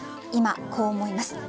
今、こう思います。